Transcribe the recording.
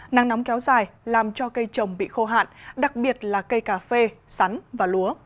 nắng nóng kéo dài làm cho cây trồng bị khô hạn đặc biệt là cây cà phê sắn và lúa